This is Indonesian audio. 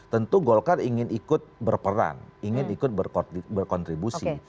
tentu golkar ingin ikut berperan ingin ikut berkontribusi